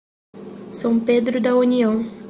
São Pedro da União